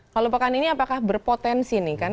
kalau pekan ini apakah berpotensi nih kan